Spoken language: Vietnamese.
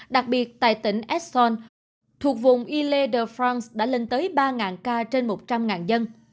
đặc biệt tại tỉnh aix en saône thuộc vùng ile de france đã lên tới ba ca trên một trăm linh dân